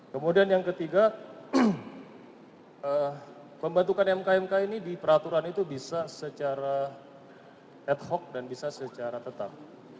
kemudian yang ketiga pembentukan mk mk ini di peraturan itu bisa secara ad hoc dan bisa secara tetap